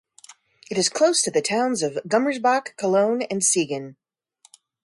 It is close to the towns of Gummersbach, Cologne, and Siegen.